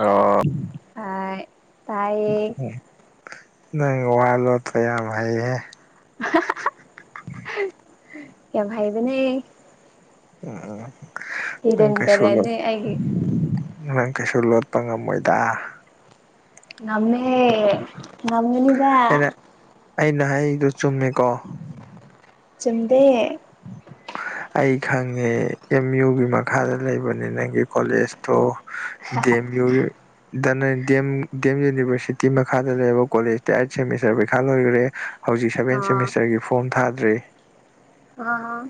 ꯑꯣ ꯇꯥꯏ ꯇꯥꯏꯌꯦ [inaudible] ꯅꯪ ꯋꯥ ꯂꯣꯠꯄ ꯌꯥꯝ ꯍꯩꯍꯦ ꯌꯥꯝ ꯍꯩꯕꯅꯦ ꯎꯝ ꯎꯝ ꯅꯪ ꯍꯤꯗꯟ ꯀꯩꯁꯨ ꯇꯦꯂꯦꯟꯅꯦ ꯑꯩꯒꯤ ꯅꯪ ꯀꯩꯁꯨ ꯂꯣꯠꯄ ꯉꯝꯃꯣꯏꯗ ꯉꯝꯃꯦ ꯉꯝꯒꯅꯤꯗ ꯑꯩꯩꯅ ꯍꯥꯏꯗꯣ ꯆꯨꯝꯃꯦꯀꯣ ꯆꯨꯝꯗꯦ [unintelligible] ꯑꯩ ꯈꯪꯉꯦ ꯑꯦꯝ ꯌꯨꯒꯤ ꯃꯈꯥꯗ ꯂꯩꯕꯅꯤ ꯅꯪꯒꯤ ꯀꯣꯂꯦꯖꯇꯣ ꯗꯦꯝ ꯌꯨꯒꯤ ꯗꯅꯦꯝ ꯗꯤꯃꯦꯝ ꯌꯨꯅꯤꯚꯔꯁꯤꯇꯤ ꯃꯈꯥꯗ ꯂꯩꯕ ꯀꯣꯂꯦꯖꯇꯤ ꯑꯩꯠ ꯁꯦꯃꯤꯁꯇꯔ ꯄꯩꯈꯥ ꯂꯣꯏꯈ꯭ꯔꯦ ꯍꯧꯖꯤꯛ ꯁꯕꯦꯟ ꯑꯥ ꯁꯦꯃꯤꯁꯇꯔꯒꯤ ꯐꯣꯝ ꯊꯥꯗ꯭ꯔꯤ ꯑꯥ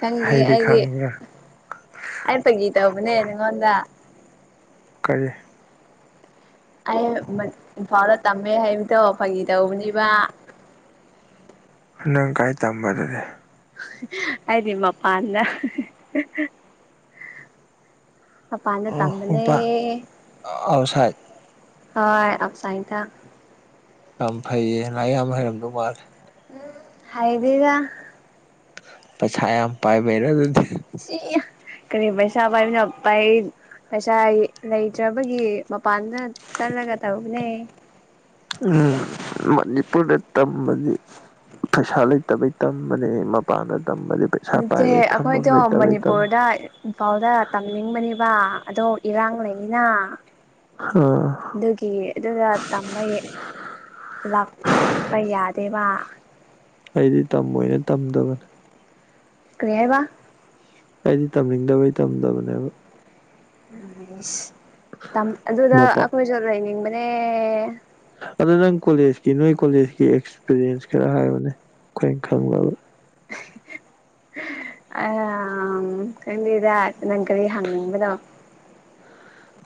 ꯈꯪꯗꯦ ꯑꯩꯗꯤ ꯑꯩ ꯐꯥꯒꯤ ꯇꯧꯕꯅꯦ ꯅꯪꯉꯣꯟꯗ ꯀꯔꯤ ꯑꯩ ꯃꯅꯤ ꯏꯝꯐꯥꯜꯗ ꯇꯝꯃꯦ ꯍꯥꯏꯕꯗꯣ ꯐꯥꯒꯤ ꯇꯧꯕꯅꯤꯕ ꯅꯪ ꯀꯥꯏ ꯇꯝꯕ ꯑꯗꯨꯗꯤ ꯑꯩꯗꯤ ꯃꯄꯥꯜꯗ ꯃꯄꯥꯜꯗ ꯇꯝꯕꯅꯦ ꯑꯥꯎꯁꯥꯏꯠ ꯍꯣꯏ ꯑꯥꯎꯁꯥꯏꯠꯇ ꯌꯥꯝ ꯐꯩꯌꯦ ꯂꯥꯏꯔꯤꯛ ꯌꯥꯝ ꯍꯩꯔꯝꯗꯧ ꯃꯥꯜꯂꯦ ꯍꯩꯗꯦꯗ ꯄꯩꯁꯥ ꯌꯥꯝ ꯄꯥꯏꯕꯩꯔ ꯑꯗꯨꯗꯤ ꯀꯔꯤ ꯄꯩꯁꯥ ꯄꯥꯏꯃꯤ ꯄꯥꯏ ꯄꯩꯁꯥ ꯂꯩꯇ꯭ꯔꯕꯒꯤ ꯃꯄꯥꯟꯗ ꯆꯠꯂꯒ ꯇꯧꯕꯅꯦ ꯎꯝ ꯃꯅꯤꯄꯨꯔꯗ ꯇꯝꯕꯗꯤ ꯄꯩꯁꯥ ꯂꯩꯇꯕꯩ ꯇꯝꯕꯅꯤ ꯃꯄꯥꯟꯗ ꯇꯝꯕꯗꯤ ꯄꯩꯁꯥ ꯅꯠꯇꯦ ꯄꯥꯏꯕꯩ ꯊꯝꯐꯝ ꯑꯩꯈꯣꯏꯗꯣ ꯂꯩꯇꯕꯩ ꯇꯝꯕ ꯃꯅꯤꯄꯨꯔꯗ ꯏꯝꯐꯥꯜꯗ ꯇꯝꯅꯤꯡꯕꯅꯤꯕ ꯑꯗꯣ ꯏꯔꯥꯡ ꯂꯩꯅ ꯑ [inaudible] ꯑꯗꯨꯒꯤ ꯑꯗꯨꯒ ꯇꯝꯕꯩ ꯂꯥꯛꯄ ꯌꯥꯗꯦꯕ ꯑꯩꯗꯤ ꯇꯝꯃꯣꯏꯅ ꯇꯝꯗꯕꯅꯦ ꯀ꯭ꯔꯤ ꯍꯥꯢꯕ ꯑꯩꯗꯤ ꯇꯝꯅꯤꯡꯗꯕꯩ ꯇꯝꯗꯕꯅꯦꯕ ꯏꯠ ꯇꯝ ꯑꯗꯨꯗ ꯃꯄꯥ ꯑꯩꯈꯣꯏꯁꯨ ꯂꯩꯅꯤꯡꯕꯅꯦ ꯑꯗꯣ ꯅꯪ ꯀꯣꯂꯦꯖꯀꯤ ꯅꯣꯏ ꯀꯣꯂꯦꯖꯀꯤ ꯑꯦꯛꯁꯄꯤꯔꯤꯌꯦꯟꯁ ꯈꯔ ꯍꯥꯏꯌꯣꯅꯦ ꯑꯩꯈꯣꯏꯅ ꯈꯪꯗꯕ [unintelligible] ꯑ ꯈꯪꯗꯦꯗ ꯅꯪ ꯀꯔꯤ ꯍꯪꯅꯤꯡꯕꯅꯣ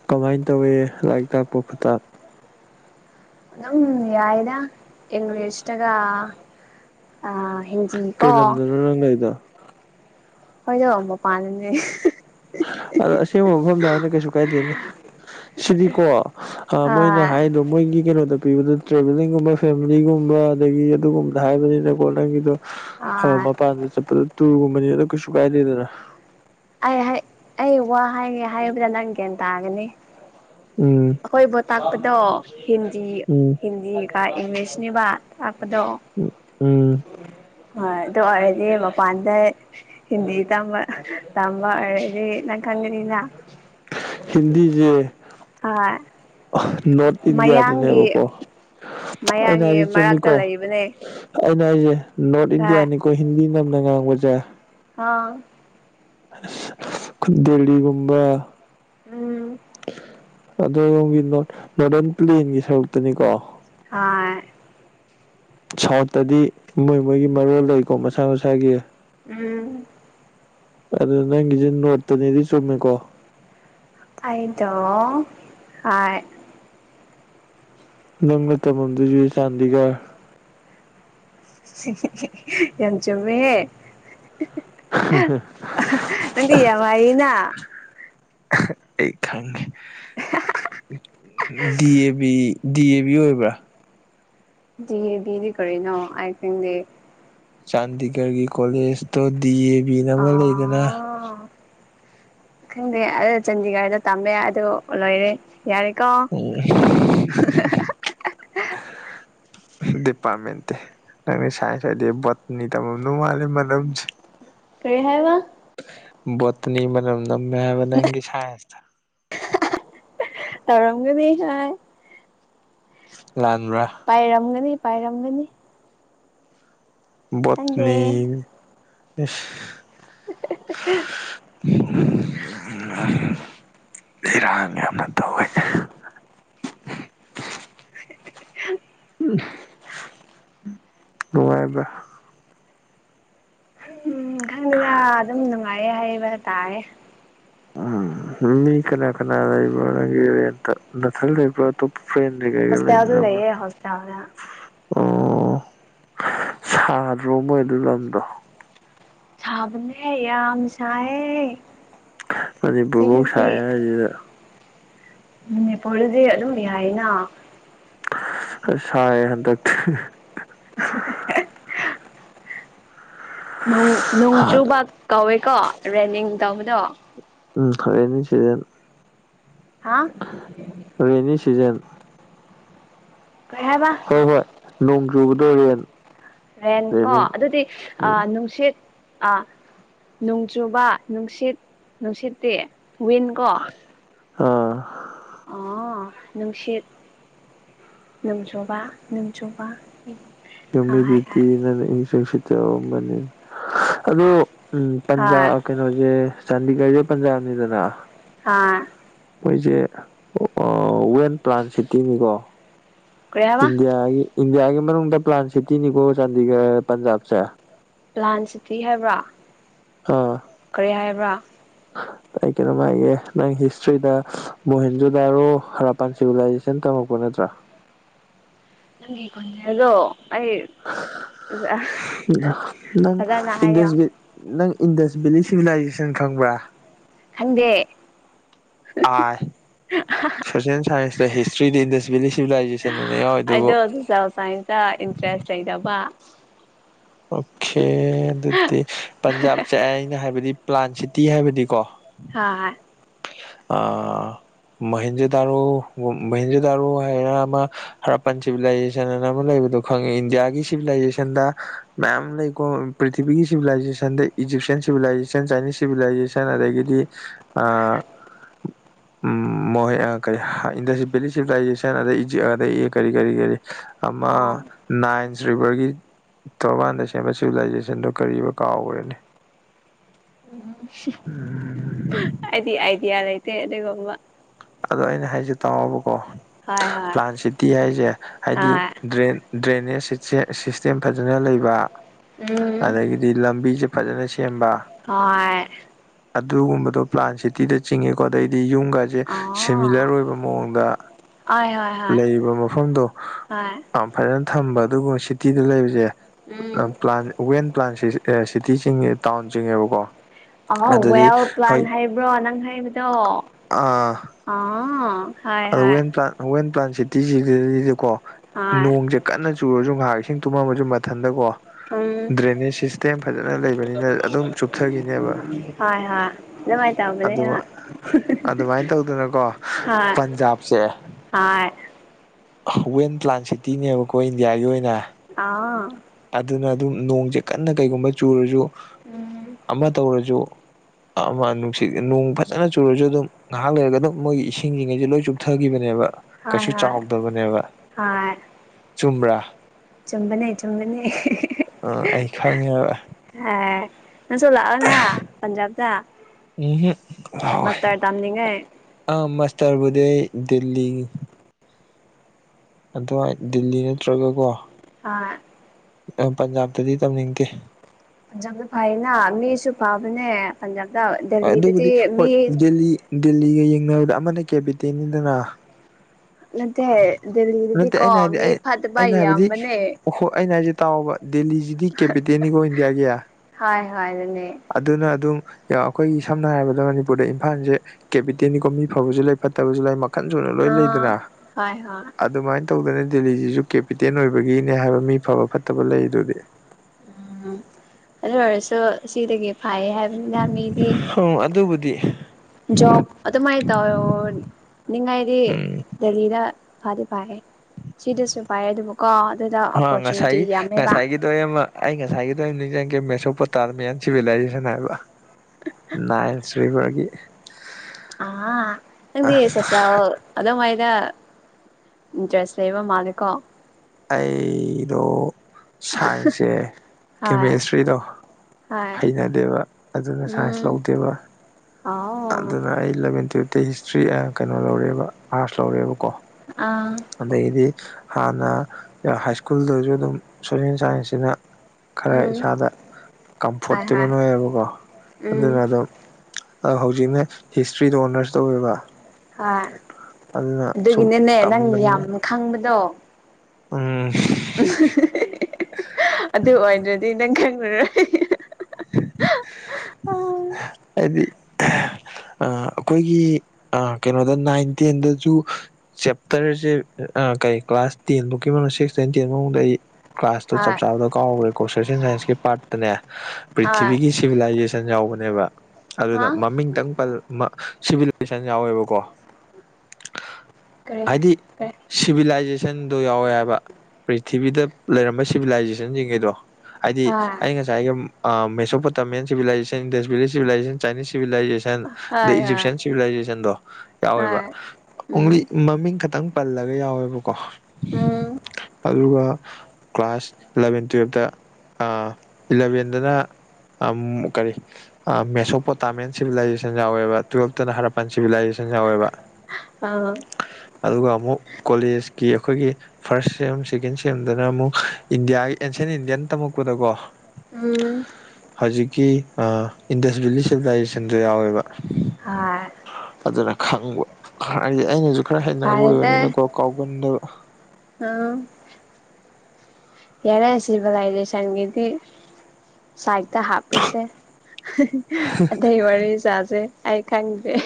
ꯀꯃꯥꯏ ꯇꯧꯏ ꯂꯥꯏꯔꯤꯛ ꯇꯥꯛꯄ ꯈꯨꯠꯇꯥꯛ ꯅꯪ ꯌꯥꯏꯗ ꯏꯪꯂꯤꯁꯇꯒ ꯑ ꯍꯤꯟꯗꯤꯀꯣ [inaudible] ꯈꯣꯏꯗꯣ ꯃꯄꯥꯜꯗꯅꯦ ꯑꯗꯣ ꯑꯁꯦꯡꯕ ꯃꯐꯝꯗꯣ ꯍꯥꯏꯕꯗ ꯀꯩꯁꯨ ꯀꯥꯏꯗꯦꯅꯦ ꯁꯤꯗꯤꯀꯣ ꯑ ꯃꯣꯏꯅ ꯍꯥꯏꯗꯣ ꯃꯣꯏꯒꯤ ꯀꯩꯅꯣꯗ ꯄꯤꯕꯗ ꯇ꯭ꯔꯦꯕꯦꯂꯤꯡꯒꯨꯝꯕ ꯐꯦꯃꯤꯂꯤꯒꯨꯝꯕ ꯑꯗꯒꯤ ꯑꯗꯨꯒꯨꯝꯕꯗ ꯍꯥꯏꯕꯅꯤꯅꯀꯣ ꯅꯪꯒꯤꯗꯣ ꯑꯩ ꯃꯄꯥꯟꯗ ꯆꯠꯄꯗ ꯇꯨꯔꯒꯨꯝꯕꯅꯤ ꯑꯗꯨ ꯀꯩꯁꯨ ꯀꯥꯏꯗꯦꯗꯅ ꯑꯩ ꯍꯩ ꯑꯩ ꯋꯥ ꯍꯥꯏꯒꯦ ꯍꯥꯏꯕꯗ ꯅꯪ ꯒ꯭ꯌꯥꯟ ꯇꯥꯒꯅꯤ ꯎꯝ ꯑꯩꯈꯣꯏꯕꯨ ꯇꯥꯛꯄꯗꯣ ꯍꯤꯟꯗꯤ ꯎꯝ ꯍꯤꯟꯗꯤꯒ ꯏꯪꯂꯤꯁꯅꯤꯕ ꯇꯥꯛꯄꯗꯣ ꯎꯝ ꯍꯣꯏ ꯑꯗꯨ ꯑꯣꯏꯔꯗꯤ ꯃꯄꯥꯟꯗ ꯍꯤꯟꯗꯤ ꯇꯝꯕ ꯇꯝꯕ ꯑꯣꯏꯔꯗꯤ ꯅꯪ ꯈꯪꯒꯅꯤꯅ ꯍꯤꯟꯗꯤꯁꯦ ꯍꯣꯏ ꯅꯣꯠ ꯃꯌꯥꯡꯒꯤ ꯏꯟꯗꯤꯌꯥꯗꯅꯦꯕꯀꯣ ꯑꯩꯅ ꯃꯌꯥꯡꯒꯤ ꯍꯥꯏꯁꯦ ꯃꯔꯛꯇ ꯆꯨꯝꯃꯤꯀꯣ ꯂꯩꯕꯅꯦ ꯑꯩꯅ ꯍꯥꯏꯁꯦ ꯅꯣꯠ ꯍꯣꯏ ꯏꯟꯗꯤꯌꯥꯅꯤꯀꯣ ꯍꯤꯟꯗꯤ ꯅꯝꯅ ꯉꯥꯡꯕꯁꯦ ꯑꯥ ꯗꯦꯜꯂꯤꯒꯨꯝꯕ ꯎꯝ ꯑꯗꯣꯝꯂꯣꯝꯒꯤ ꯅꯣꯠ ꯅꯣꯔꯗꯔꯟ ꯄ꯭ꯂꯦꯟꯒꯤ ꯁꯔꯨꯛꯇꯅꯤꯀꯣ ꯍꯣꯏ ꯁꯥꯎꯠꯇꯗꯤ ꯃꯣꯏ ꯃꯣꯏꯒꯤ ꯃꯔꯣꯜ ꯂꯩꯀꯣ ꯃꯁꯥ ꯃꯁꯥꯒꯤ ꯎꯝ ꯑꯗꯨ ꯅꯪꯒꯤꯁꯦ ꯅꯣꯠꯇꯅꯤꯗꯤ ꯆꯨꯝꯃꯦꯀꯣ ꯑꯩꯗꯣ ꯑ ꯅꯪꯅ ꯇꯝꯃꯝꯗꯨꯢꯁꯤ ꯆꯥꯟꯗꯤꯒꯔ ꯌꯥꯝ ꯆꯨꯝꯃꯦꯍꯦ ꯅꯪꯗꯤ ꯌꯥꯝ ꯍꯩꯌꯦꯅ ꯑꯩ ꯈꯪꯌꯦ ꯗꯤ ꯕꯤ ꯗꯤ ꯑꯦ ꯕꯤ ꯑꯣꯏꯕ꯭ꯔꯥ ꯗꯤ ꯗꯤꯗꯤ ꯀꯔꯤꯅꯣ ꯑꯩ ꯈꯪꯗꯦ ꯆꯥꯟꯗꯤꯒꯔꯒꯤ ꯀꯣꯂꯦꯖꯇꯣ ꯗꯤ ꯑꯦ ꯕꯤ ꯅ ꯑꯃ ꯂꯩꯗꯅ ꯑꯥ ꯈꯪꯗꯦ ꯑꯗꯨ ꯆꯥꯟꯗꯤꯒꯔꯗ ꯇꯝꯃꯦ ꯑꯗꯨ ꯂꯣꯏꯔꯦ ꯌꯥꯔꯦꯀꯣ [inaudible] ꯗꯤꯄꯥꯔꯠꯃꯦꯟꯇꯤ ꯅꯪꯅ ꯁꯥꯏꯟ ꯑꯣꯏꯔꯗꯤ ꯕꯣꯠꯅꯤ ꯇꯝꯂꯝꯗꯧ ꯃꯥꯟꯂꯦ ꯃꯅꯝꯁꯦ ꯀꯔꯤ ꯍꯥꯏꯕ ꯕꯣꯠꯇꯥꯅꯤ ꯃꯅꯝ ꯃꯅꯝꯃꯦ ꯍꯥꯏꯕ ꯅꯪꯒꯤ ꯁꯥꯏꯟꯁꯗꯣ ꯇꯧꯔꯝꯒꯅꯤ ꯍꯣꯢ ꯂꯥꯟꯕ꯭ꯔꯥ ꯄꯥꯏꯔꯝꯒꯅꯤ ꯄꯥꯏꯔꯝꯒꯅꯤ ꯈꯪꯗꯦ ꯄꯣꯠꯇꯅꯤ [inaudible] ꯎꯝ ꯏꯔꯥꯡ ꯌꯥꯝꯅ ꯇꯧꯋꯦ [inaudible] ꯅꯨꯡꯉꯥꯏꯕꯔꯥ ꯎꯝ ꯈꯪꯗꯦꯗ ꯑꯗꯨꯝ ꯅꯨꯡꯉꯥꯏꯌꯦ ꯍꯥꯏꯕ ꯇꯥꯔꯦ ꯎꯝ ꯃꯤ ꯀꯅꯥ ꯀꯅꯥ ꯂꯩꯕ ꯅꯪꯒꯤ ꯔꯦꯟꯇ ꯅꯇꯟ ꯂꯩꯕꯔꯣ ꯑꯇꯣꯞꯄ ꯐ꯭ꯔꯦꯟ ꯁꯤꯡꯒ ꯍꯣꯁꯇꯦꯜꯗ ꯂꯩꯃꯤꯟꯅꯕꯔꯣ ꯂꯩꯌꯦ ꯍꯣꯁꯇꯦꯜꯗ ꯑꯣ ꯁꯥꯗ꯭ꯔꯣ ꯃꯣꯏ ꯑꯗꯨ ꯂꯝꯗꯣ ꯁꯕꯅꯦ ꯌꯥꯝ ꯁꯥꯏꯌꯦ ꯃꯅꯤꯄꯨꯔꯐꯧ ꯁꯤꯗꯗꯤ ꯁꯥꯏ ꯍꯥꯏꯁꯤꯗ ꯃꯅꯤꯄꯨꯔꯗꯗꯤ ꯑꯗꯨꯝ ꯌꯥꯏꯅ ꯁꯥꯢ ꯍꯟꯗꯛꯗꯤ [inaudible] ꯅꯣꯡ ꯍꯥꯟꯅ ꯆꯨꯕ ꯀꯧꯋꯦꯀꯣ ꯔꯦꯟꯅꯤꯡ ꯇꯧꯕꯗꯣ ꯎꯝ ꯔꯦꯟꯅꯤ ꯁꯤꯖꯦꯟ ꯍꯥꯥ ꯔꯦꯟꯅꯤ ꯁꯤꯖꯟ ꯀꯩ ꯍꯥꯏꯕ ꯍꯣꯏ ꯍꯣꯏ ꯅꯣꯡ ꯆꯨꯕꯗꯣ ꯔꯦꯟ ꯍꯦꯟ ꯀꯣ ꯔꯦꯅꯤꯡ ꯑꯗꯨꯗꯤ ꯑ ꯅꯨꯡꯁꯤꯠ ꯑꯥ ꯅꯣꯡ ꯆꯨꯕ ꯅꯨꯡꯁꯤꯠ ꯅꯨꯡꯁꯤꯠꯇꯤ ꯋꯤꯟ ꯀꯣ ꯑꯥ ꯑ ꯅꯨꯡꯁꯤꯠ ꯅꯣꯡ ꯆꯨꯕ ꯅꯣꯡ ꯆꯨꯕ ꯍꯤꯌꯨꯃꯤꯗꯤꯇꯤꯅꯅ ꯏꯪ ꯅꯨꯡꯁꯤꯆꯔꯝꯕꯅꯤꯅ ꯑꯣ [inaudible] ꯎꯝ ꯄꯟꯖꯥ ꯍꯣꯏ ꯀꯩꯅꯣꯁꯦ ꯆꯥꯟꯗꯤꯒꯔꯁꯦ ꯄꯟꯖꯥꯕꯅꯤꯗꯅ ꯍꯣꯢ ꯃꯣꯏꯁꯦ ꯋꯦꯟ ꯄ꯭ꯂꯥꯟ ꯁꯤꯇꯤꯅꯤꯀꯣ ꯀꯔꯤ ꯍꯥꯏꯕ ꯏꯟꯗꯤꯌꯥꯒꯤ ꯏꯟꯗꯤꯌꯥꯒꯤ ꯃꯅꯨꯡꯗ ꯄ꯭ꯂꯥꯟ ꯁꯤꯇꯤꯅꯤꯀꯣ ꯆꯥꯟꯗꯤꯒꯔ ꯄꯟꯖꯥꯞꯁꯦ ꯄ꯭ꯂꯥꯟ ꯁꯤꯇꯤ ꯍꯥꯏꯕ꯭ꯔꯥ ꯑꯥ ꯀꯔꯤ ꯍꯥꯏꯕ꯭ꯔꯥ ꯑꯩ ꯀꯩꯅꯣ ꯃꯥ ꯍꯥꯢꯒꯦ ꯅꯪ ꯍꯤꯁꯇꯔꯤꯗ ꯃꯣꯍꯦꯟꯖꯨꯗꯔꯣ ꯍꯔꯄꯥꯟ ꯁꯤꯚꯂꯥꯏꯖꯦꯁꯟ ꯇꯝꯃꯛꯄ ꯅꯠꯇ꯭ꯔꯥ ꯅꯪꯒꯤ ꯀꯣꯟꯖꯦꯟꯗꯣ ꯑꯩ ꯅꯪ ꯐꯖꯅ ꯍꯥꯏꯌꯣ ꯏꯟꯗꯤꯁ ꯅꯪ ꯏꯟꯗꯁ ꯚꯦꯂꯤ ꯁꯤꯚꯤꯂꯥꯏꯖꯦꯁꯟ ꯈꯪꯕ꯭ꯔꯥ ꯈꯪꯗꯦ ꯑꯥꯏ ꯁꯣꯁꯦꯜ ꯁꯥꯏꯟꯁꯇ ꯍꯤꯁꯇ꯭ꯔꯤꯗꯤ ꯏꯟꯗꯁꯚꯦꯂꯤ ꯁꯤꯚꯤꯂꯥꯏꯖꯦꯁꯟ ꯌꯥꯎꯔꯤꯗꯨꯕꯨ ꯁꯣꯁꯦꯟ ꯁꯥꯢꯟꯁ ꯇ ꯏꯟꯇꯔꯦꯁ ꯂꯩꯇꯕ ꯑꯣꯀꯦ ꯑꯗꯨꯗꯤ ꯄꯟꯖꯥꯞ ꯁꯦ ꯑꯩꯅ ꯍꯥꯏꯕꯗꯤ ꯄ꯭ꯂꯥꯟ ꯁꯤꯇꯤ ꯍꯥꯏꯕꯅꯤꯀꯣ ꯍꯣꯢ ꯍꯣꯢ ꯑ ꯃꯍꯦꯖꯦꯗꯔꯣ ꯃꯍꯦꯟꯖꯦꯗꯔꯣ ꯍꯥꯢꯅ ꯑꯃ ꯍꯥꯔꯄꯟ ꯁꯤꯚꯤꯂꯥꯏꯖꯦꯁꯟ ꯅ ꯑꯃ ꯂꯩꯕꯗꯣ ꯈꯪꯉꯦ ꯏꯟꯗꯤꯌꯥꯒꯤ ꯁꯤꯚꯤꯂꯥꯏꯖꯦꯁꯟꯗ ꯃꯌꯥꯝ ꯂꯩꯀꯣ ꯄ꯭ꯔꯤꯊꯤꯕꯤꯒꯤ ꯁꯤꯕꯤꯂꯥꯏꯖꯦꯁꯟꯗ ꯏꯖꯤꯞꯁꯤꯌꯥꯟ ꯁꯤꯕꯤꯂꯥꯏꯖꯦꯁꯟ ꯆꯥꯏꯅꯤꯁ ꯁꯤꯕꯤꯂꯥꯏꯖꯦꯁꯟ ꯑꯗꯒꯤꯗꯤ ꯑꯥ ꯎꯝ ꯃꯣꯏ ꯀꯔꯤꯟꯗ ꯚꯦ ꯁꯤꯚꯤꯂꯥꯏꯖꯦꯁꯟ ꯑꯗꯒꯤꯩ ꯏꯛꯗ ꯀꯔꯤ ꯀꯔꯤ ꯀꯔꯤ [inaudible] ꯑꯃ ꯑꯣ ꯅꯥꯏꯟꯁ ꯔꯤꯕꯔꯒꯤ ꯇꯔꯕꯥꯟꯗ ꯁꯦꯝꯕ ꯁꯤꯚꯤꯂꯥꯏꯖꯦꯁꯟꯗꯣ ꯀꯔꯤꯕ ꯀꯥꯎꯈ꯭ꯔꯦꯅꯦ ꯎ ꯎꯝ ꯑꯩꯗꯤ ꯑꯥꯏꯗꯤꯌꯥ ꯂꯩꯇꯦ ꯑꯗꯨꯒꯨꯝꯕ ꯑꯗꯣ ꯑꯩꯅ ꯍꯥꯏꯁꯦ ꯇꯥꯎꯕꯀꯣ ꯍꯣꯏ ꯍꯣꯏ ꯄ꯭ꯂꯥꯟ ꯁꯤꯇꯤ ꯍꯥꯏꯁꯦ ꯍꯥꯏꯗꯤ ꯍꯣꯏ ꯗ꯭ꯔꯦꯟ ꯗ꯭ꯔꯦꯅꯦꯖ ꯁꯤꯁꯇꯦꯝ ꯐꯖꯅ ꯂꯩꯕ ꯎꯝ ꯑꯗꯒꯤ ꯗꯤ ꯂꯝꯕꯤꯁꯦ ꯐꯖꯅ ꯁꯦꯝꯕ ꯍꯣꯏ ꯑꯗꯨꯒꯨꯝꯕꯗꯣ ꯄ꯭ꯂꯥꯟ ꯁꯤꯇꯤꯗ ꯆꯤꯡꯉꯦꯀꯣ ꯑꯗꯩꯗꯤ ꯌꯨꯝꯒꯁꯦ ꯁꯤꯃꯤꯂꯔ ꯑꯣ ꯑꯣꯏꯕ ꯃꯑꯣꯡꯗ ꯍꯣꯏ ꯍꯣꯏ ꯍꯣꯏ ꯂꯩꯔꯤꯕ ꯃꯐꯝꯗꯣ ꯍꯣꯏ ꯐꯖꯅ ꯊꯝꯕ ꯑꯗꯨꯒꯨꯝꯕ ꯁꯤꯇꯤꯗ ꯂꯩꯕꯁꯦ ꯎꯝ ꯄ꯭ꯂꯥꯟ ꯋꯦꯟ ꯄ꯭ꯂꯥꯟ ꯁꯤꯇꯤ ꯆꯤꯡꯉꯦ ꯇꯥꯎꯟ ꯆꯤꯡꯉꯦꯕꯀꯣ ꯑꯍꯧꯡꯕ ꯑꯗꯨꯗꯤ ꯋꯦꯟ ꯄ꯭ꯂꯥꯟ ꯍꯣꯏ ꯍꯥꯏꯕ꯭ꯔꯣ ꯅꯪ ꯍꯥꯏꯕꯗꯣ ꯑꯥ ꯑꯥ ꯍꯣꯏ ꯑꯗꯣ ꯍꯣꯏ ꯋꯦꯟ ꯄ꯭ꯂꯥꯟ ꯋꯦꯟ ꯄ꯭ꯂꯥꯟ ꯁꯤꯇꯤꯁꯤꯗꯗꯤꯀꯣ ꯍꯣꯏ ꯅꯣꯡ ꯀꯟꯅ ꯆꯨꯔꯁꯨ ꯉꯥꯏꯍꯥꯛ ꯏꯁꯤꯡ ꯇꯨꯝꯃꯝꯃꯁꯨ ꯃꯊꯟꯇꯀꯣ ꯎꯝ ꯗ꯭ꯔꯦꯅꯦꯁ ꯁꯤꯁꯇꯦꯝ ꯐꯖꯅ ꯂꯩꯕꯅꯤꯅ ꯑꯗꯨꯝ ꯆꯨꯞꯊꯈꯤꯅꯦꯕ ꯍꯣꯏ ꯍꯣꯏ ꯑꯗꯨꯅꯨꯡꯃꯥꯏ ꯑꯗꯨ ꯇꯥꯎꯕꯗꯦ ꯑꯗꯨꯃꯥꯏꯅ ꯇꯧꯗꯅꯀꯣ ꯄꯟꯖꯥꯞꯁꯦ ꯍꯣꯢ ꯍꯋꯦꯟ ꯄ꯭ꯂꯥꯟ ꯁꯤꯇꯤꯅꯦꯕꯀꯣ ꯏꯟꯗꯤꯌꯥꯒꯤ ꯑꯣꯏꯅ ꯑꯥ ꯑꯗꯨꯅ ꯑꯗꯨꯝ ꯅꯣꯡꯁꯦ ꯀꯟꯅ ꯀꯩꯒꯨꯝꯕ ꯆꯨꯔꯁꯨ ꯎꯝ ꯑꯃ ꯇꯧꯔꯁꯨ ꯑꯃ ꯅꯨꯡꯁꯤꯠ ꯅꯨꯡ ꯐꯖꯅ ꯆꯨꯔꯁꯨ ꯑꯗꯨꯝ ꯅꯍꯥꯛ ꯂꯩꯔꯒ ꯑꯗꯨꯝ ꯃꯣꯏꯒꯤ ꯏꯁꯤꯡꯁꯤꯡꯉꯩꯁ ꯂꯣꯏ ꯆꯨꯞꯊꯈꯤꯕꯅꯦꯕ ꯍꯣꯏ ꯀꯩꯁꯨ ꯍꯣꯏ ꯆꯥꯎꯗꯕꯅꯦꯕ ꯍꯣꯏ ꯆꯨꯝꯕ꯭ꯔꯥ ꯆꯨꯝꯕꯅꯦ ꯆꯨꯝꯕꯅꯦ ꯑꯝ ꯑꯩ ꯈꯪꯉꯦꯕ ꯍꯣꯢ ꯅꯪꯁꯨ ꯂꯛꯑꯣꯅ ꯄꯟꯖꯥꯞꯇ ꯎꯝ ꯂꯥꯎꯑꯣꯢ ꯇꯝꯅꯤꯡꯉꯥꯏ ꯃꯥꯁꯇꯔꯕꯨꯗꯤ ꯑꯩ ꯗꯦꯜꯂꯤ ꯑꯗꯨꯋꯥꯏ ꯗꯤꯜꯂꯤ ꯅꯠꯇ꯭ꯔꯒ ꯀꯣ ꯍꯣꯢ ꯄꯟꯖꯥꯕꯇꯗꯤ ꯇꯝꯅꯤꯡꯇꯦ ꯄꯟꯖꯥꯞꯅ ꯐꯌꯦꯅ ꯃꯤꯁꯨ ꯐꯕꯅꯦ ꯄꯟꯖꯥꯞꯇ ꯍꯣꯏ ꯑꯗꯨꯕꯨꯗꯤ ꯗꯦꯜꯂꯤꯗꯗꯤ ꯍꯣꯏ ꯃꯤ ꯗꯦꯜꯂꯤ ꯗꯦꯜꯂꯤꯒ ꯌꯦꯡꯅꯕꯗ ꯑꯃꯅ ꯀꯦꯄꯤꯇꯦꯜꯅꯤꯗꯅ ꯅꯠꯇꯦ ꯗꯦꯜꯂꯤꯗꯨꯗꯤ ꯅꯠꯇꯦ ꯃꯤ ꯐꯠꯇꯕ ꯌꯥꯝꯕꯅꯦ ꯑꯣꯍꯣꯏ ꯑꯩꯅ ꯍꯥꯏꯁꯦ ꯇꯥꯎꯕ ꯗꯦꯜꯂꯤꯁꯤꯗꯤ ꯀꯦꯄꯤꯇꯦꯜꯅꯤꯀꯣ ꯏꯟꯗꯤꯌꯥꯒꯤꯌꯥ ꯍ ꯍꯣꯏ ꯑꯗꯨꯅꯦ ꯑꯗꯨꯅ ꯑꯗꯨꯝ ꯑꯩꯈꯣꯏꯒꯤ ꯁꯝꯅ ꯍꯥꯏꯔꯕꯗ ꯃꯅꯤꯄꯨꯔꯗ ꯏꯝꯐꯥꯜꯁꯦ ꯀꯦꯄꯤꯇꯦꯜꯅꯤꯀꯣ ꯃꯤ ꯐꯕꯁꯨ ꯂꯩ ꯐꯠꯇꯕꯁꯨ ꯂꯩ ꯃꯈꯟ ꯁꯨꯅ ꯂꯣꯏ ꯑꯥ ꯂꯩꯗꯅ ꯍꯣꯏ ꯍꯣꯏ ꯑꯗꯨꯃꯥꯏꯅ ꯇꯧꯗꯅ ꯗꯦꯜꯂꯤꯁꯤꯁꯨ ꯀꯦꯄꯤꯇꯦꯜ ꯑꯣꯏꯕꯒꯤꯅꯦ ꯍꯥꯏꯕ ꯃꯤ ꯐꯕ ꯐꯠꯇꯕ ꯂꯩꯔꯤꯗꯨꯗꯤ ꯎꯝ ꯑꯗꯨ ꯑꯣꯏꯔꯁꯨ ꯁꯤꯗꯒꯤ ꯐꯩꯌꯦ ꯍꯥꯏꯕ ꯍꯣꯢ ꯑꯗꯨꯕꯨꯗꯤ ꯖꯣꯕ ꯑꯗꯨꯃꯥ ꯇꯧꯌꯦ ꯅꯤꯡꯉꯥꯏꯗꯤ ꯎꯝ ꯗꯦꯜꯂꯤꯗ ꯐꯥꯗꯤ ꯐꯩꯌꯦ ꯁꯤꯗꯁꯨ ꯄꯥꯏ ꯑꯗꯨꯕꯨꯀꯣ ꯑꯗꯨꯗ ꯑ ꯑꯣꯄꯣꯔꯆꯨꯅꯤꯇꯤ ꯉꯁꯥꯏꯒꯤ ꯌꯥꯝꯃꯦꯕ ꯉꯁꯥꯏꯒꯤꯗꯣ ꯑꯩ ꯉꯁꯥꯏꯒꯤꯗꯣ ꯅꯤꯡꯁꯤꯡꯒꯦ ꯃꯦꯁꯣꯄ ꯇꯥꯔꯃꯤꯌꯥꯟ ꯁꯤꯚꯤꯂꯥꯏꯖꯦꯁꯟ ꯍꯥꯏꯕ ꯏꯟꯁ ꯔꯤꯕꯔꯒꯤ ꯅꯪꯗꯤ ꯁꯣꯁꯤꯟ ꯑꯗꯨ ꯃꯥꯏꯅ ꯏꯟꯇꯔꯦꯁ ꯂꯩꯕ ꯃꯥꯜꯂꯦꯀꯣ ꯑꯩꯗꯣ ꯁꯥꯏꯟꯁꯁꯦ ꯍꯣꯏ ꯀꯦꯃꯦꯁꯇ꯭ꯔꯤꯗꯣ ꯍꯣꯏ ꯍꯩꯅꯗꯦꯕ ꯑꯗꯨꯅ ꯁꯥꯏꯟꯁ ꯂꯧꯗꯦꯕ ꯑꯣ ꯑꯗꯨꯅ ꯑꯩ ꯏꯂꯚꯦꯟ ꯇꯨꯋꯜꯞꯇ ꯍꯤꯁꯇ꯭ꯔꯤ ꯀꯩꯅꯣ ꯂꯧꯔꯦꯕ ꯑꯥꯔꯠꯁ ꯂꯧꯔꯦꯕꯀꯣ ꯑꯥ ꯑꯗꯒꯤꯗꯤ ꯍꯥꯟꯅ ꯍꯥꯏ ꯁ꯭ꯀꯨꯜꯗꯁꯨ ꯑꯗꯨꯝ ꯁꯣꯁꯦꯜ ꯁꯥꯏꯟꯁꯁꯤꯅ ꯈꯔ ꯎꯝ ꯏꯁꯥꯗ ꯍꯣꯏ ꯍꯣꯏ ꯀꯝꯐꯣꯔꯇꯦꯕꯜ ꯑꯣꯏꯌꯦꯕꯀꯣ ꯎꯝ ꯑꯗꯨꯅ ꯑꯗꯨꯝ ꯑꯗꯣ ꯍꯧꯖꯤꯛꯅ ꯍꯤꯁꯇ꯭ꯔꯤꯗ ꯑꯣꯅꯔꯁ ꯇꯧꯋꯦꯕ ꯍꯣꯏ ꯑꯗꯨꯅ ꯁꯨꯝ ꯑꯗꯨꯒꯤꯅꯦꯅꯦ ꯅꯪ ꯇꯝꯕꯅꯤ ꯌꯥꯝ ꯈꯪꯕꯗꯣ ꯎꯝ ꯑꯗꯨ ꯑꯣꯏꯗ꯭ꯔꯗꯤ ꯅꯪ ꯈꯪꯑꯔꯣꯏ ꯍꯣꯏ ꯑꯩꯗꯤ ꯑ ꯑꯩꯈꯣꯏꯒꯤ ꯑ ꯀꯩꯅꯣꯗ ꯅꯥꯏꯟ ꯇꯦꯟꯗꯁꯨ ꯆꯦꯞꯇꯔꯁꯦ ꯀꯩ ꯀ꯭ꯂꯥꯁ ꯇꯦꯟꯐꯧꯀꯤ ꯃꯅꯨꯡꯗ ꯁꯤꯛꯁ ꯇꯩ ꯇꯦꯟꯐꯥꯎ ꯃꯅꯨꯡꯗ ꯑꯩ ꯀ꯭ꯂꯥꯁꯇꯣ ꯆꯞ ꯆꯥꯕꯗꯣ ꯀꯥꯎꯈ꯭ꯔꯦꯀꯣ ꯁꯣꯁꯦꯟ ꯁꯥꯏꯟꯁꯀꯤ ꯄꯥꯔꯠꯇꯅꯦ ꯍꯣꯏ ꯄ꯭ꯔꯤꯊꯤꯕꯤꯒꯤ ꯁꯤꯚꯂꯥꯏꯖꯦꯁꯟ ꯌꯥꯎꯕꯅꯦꯕ ꯍꯥ ꯑꯗꯨꯗ ꯃꯃꯤꯡ ꯁꯟ ꯌꯥꯎꯋꯦꯕꯀꯣ ꯀꯔꯤ ꯍꯥꯏꯗꯤ ꯀꯔꯤ ꯁꯤꯚꯤꯂꯥꯏꯖꯦꯁꯟꯗꯣ ꯌꯥꯎꯋꯦ ꯍꯥꯏꯕ ꯄ꯭ꯔꯤꯊꯤꯕꯤꯗ ꯂꯩꯔꯝꯕ ꯁꯤꯚꯤꯂꯥꯏꯖꯦꯁꯟꯁꯤꯡꯗꯣ ꯍꯥꯏꯗꯤ ꯍꯣꯏ ꯑꯩ ꯉꯁꯥꯏꯒꯤ ꯃꯦꯁꯣꯄꯣꯇꯥꯃꯤꯦꯟ ꯁꯤꯚꯤꯥꯏꯦꯁ ꯁꯤꯚꯤꯥꯏꯦꯟ ꯆꯥꯏꯅꯤꯁ ꯁꯤꯚꯤꯥꯏꯖꯦꯟ ꯑꯗꯩ ꯍꯣꯏ ꯍꯣꯏ ꯏꯖꯤꯞꯁꯤꯌꯥꯟ ꯁꯤꯚꯂꯥꯏꯦꯁꯟꯗꯣ ꯌꯥꯎꯋꯦꯕ ꯍꯣꯏ ꯑꯣꯂꯤ ꯎꯝ ꯃꯃꯤꯡ ꯈꯪ ꯄꯜꯂꯒ ꯌꯥꯎꯋꯦꯕꯀꯣ ꯎꯝ ꯑꯗꯨꯒ ꯀ꯭ꯂꯥꯁ ꯏꯂꯚꯦꯟ ꯇꯨꯌꯦꯜꯞꯇ ꯏꯂꯚꯦꯟꯗꯅ ꯀꯔꯤ ꯃꯦꯁꯣꯄꯣꯇꯥꯃꯦꯟ ꯁꯤꯚꯤꯂꯥꯏꯖꯦꯁꯟ ꯌꯥꯎꯋꯦꯕ ꯇꯨꯋꯦꯜꯞꯇꯅ ꯍꯔꯄꯟ ꯁꯤꯚꯕꯤꯂꯥꯏꯖꯦꯁꯟ ꯌꯥꯎꯋꯦꯕ ꯑꯥ ꯑꯗꯨꯒ ꯑꯃꯨꯛ ꯀꯣꯂꯦꯖꯀꯤ ꯑꯩꯈꯣꯏꯒꯤ ꯐꯥꯔꯁ ꯁꯦꯝ ꯁꯦꯀꯦꯟ ꯁꯦꯝꯗꯅ ꯑꯃꯨꯛ ꯏꯟꯗꯤꯌꯥꯒꯤ ꯑꯦꯟꯁꯦꯟ ꯏꯟꯗꯤꯌꯥꯅ ꯇꯝꯃꯛꯄꯗꯀꯣ ꯎꯝ ꯍꯧꯖꯤꯛꯀꯤ ꯏꯟꯗꯁꯕꯦꯂꯤ ꯁꯤꯚꯤꯂꯥꯏꯖꯦꯁꯟꯗꯣ ꯌꯥꯎꯋꯦꯕ ꯍꯣꯢ ꯑꯗꯨꯅ ꯈꯪꯕ ꯍꯥꯏꯗꯤ ꯑꯩꯅꯁꯨ ꯈꯔ ꯍꯩꯅꯕ ꯐꯔꯦꯗ ꯑꯣꯏꯕꯅꯤꯅꯀꯣ ꯀꯥꯎꯒꯟꯗꯕ ꯑꯝ ꯌꯥꯔꯦ ꯁꯤꯕꯂꯥꯏꯗꯦꯁꯪꯒ‌ꯦꯗꯤ ꯁꯥꯏꯇ ꯍꯥꯞ꯭ꯔꯁꯦ ꯑꯇꯩ ꯋꯥꯔꯤ ꯁꯥꯁꯤ ꯑꯩ ꯈꯪꯗ‌ꯦ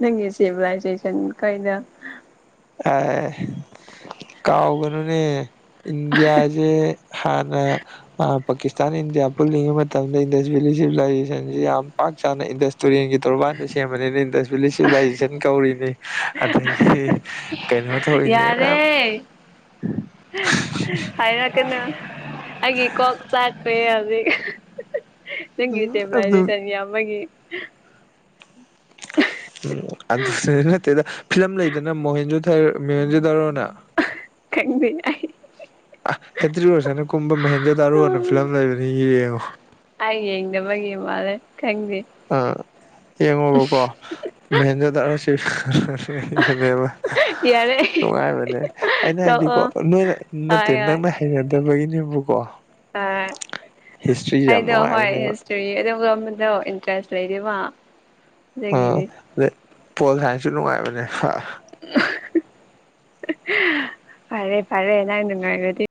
ꯅꯪꯒꯤ ꯁꯤꯂꯥꯏꯖꯦꯁꯟ ꯀꯣꯏꯗ ꯑꯦ ꯀꯥꯎꯒꯅꯨꯅ‌ꯦ ꯏꯟꯗꯤꯌꯥꯖꯦ ꯍꯥꯟꯅ ꯑ ꯄꯥꯀꯤꯁꯇꯥꯟ ꯏꯟꯗꯤꯌꯥ ꯄꯨꯜꯂꯤꯉꯩ ꯃꯇꯝꯗꯩ ꯁꯤꯚꯂꯥꯏꯖꯦꯁꯟꯁꯤ ꯌꯥꯝ ꯄꯥꯛꯆꯅ ꯇꯨꯔꯦꯟꯒꯤ ꯇꯣꯔꯕꯥꯟꯗ ꯁꯦꯝꯕꯅꯤꯅ ꯏꯟꯗꯁꯇ꯭ꯔꯤꯂꯤꯁ ꯁꯤꯚꯂꯥꯏꯖꯦꯁꯟ ꯀꯧꯔꯤꯅꯤ ꯑꯗꯒꯤꯗꯤ ꯀꯩꯅꯣ ꯇꯧꯔꯤꯅꯤ ꯌꯥꯔꯦ ꯃꯌꯥꯝ ꯍꯥꯏꯔꯛ ꯑꯩꯒꯤ ꯀꯣꯛꯆꯥꯛꯇ‌ꯧ ꯍꯧꯖꯛ ꯅꯪꯒꯤ ꯎꯝ ꯑꯗꯨ ꯁꯦꯕ‌ꯦꯂꯩꯁꯟ ꯌꯥꯝꯕꯒꯤ ꯎꯝ ꯑꯗꯨ ꯅꯠꯇꯦꯗ ꯐꯤꯂꯝ ꯂꯩꯗꯅ ꯃꯣꯍꯦꯟꯖ ꯃꯣꯍꯦꯟꯖꯙꯧꯔꯣꯅ ꯈꯪꯗꯦ ꯑꯩ ꯑꯥ ꯍꯦꯇ꯭ꯔꯤ ꯑꯣꯏꯁꯅ ꯀꯨꯝꯕ ꯃꯍꯦꯟꯖ ꯇꯥꯔꯨꯅ ꯐꯤꯂꯝ ꯂꯩꯕꯅꯤ ꯌꯦꯡꯉꯣ ꯑꯩ ꯌꯦꯡꯗꯕꯒꯤ ꯃꯥꯜꯂꯦ ꯈꯪꯗꯦ ꯑꯥ ꯌꯦꯡꯉꯣꯕꯀꯣ ꯃꯦꯟꯖ ꯇꯔ ꯁꯤꯅꯦꯕ ꯌꯥꯔꯦ [inaudible] ꯅꯨꯡꯉꯥꯏꯕꯅꯦ ꯑꯩꯅ ꯍꯥꯏꯗꯤꯀꯣ ꯇꯣꯛꯑꯣ ꯅꯣꯏꯅ ꯅꯠꯇꯦ ꯍꯣꯏ ꯍꯣꯏ ꯅꯪꯅ ꯍꯩꯅꯗꯕꯒꯤꯅꯦꯕꯨꯀꯣ ꯑ ꯍꯤꯁꯇ꯭ꯔꯤꯁꯦ ꯌꯥꯝ ꯑꯩꯗꯣ ꯍꯣꯏ ꯅꯨꯡꯉꯥꯏꯕꯅꯦꯕ ꯑꯗꯨꯒꯨꯝꯕꯗꯣ ꯏꯟꯇꯔꯦꯁ ꯂꯩꯇꯦꯕ ꯑꯥ ꯑꯗꯩ ꯄꯣꯜ ꯍꯥꯏꯟꯁꯨ ꯅꯨꯡꯉꯥꯏꯕꯅꯦ ꯐꯔꯦ ꯐꯔꯦ ꯅꯪ ꯅꯨꯡꯉꯥꯏꯔꯗꯤ